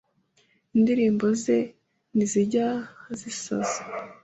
Indirimbo ze ntizijya zisaza